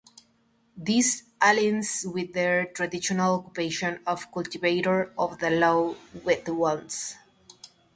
This aligns with their traditional occupation of cultivators of the low wetlands.